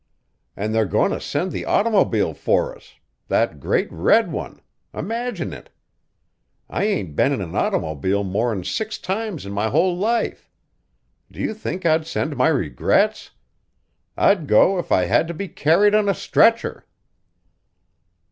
An' they're goin' to send the automobile for us, that great red one imagine it! I ain't been in an automobile more'n six times in my whole life. Do you think I'd send my regrets? I'd go if I had to be carried on a stretcher!"